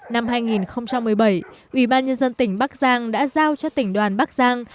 năm hai nghìn một mươi bảy ủy ban nhân dân tỉnh bắc giang đã giao cho tỉnh đoàn bắc giang